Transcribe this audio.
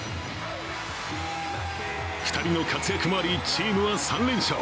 ２人の活躍もあり、チームは３連勝。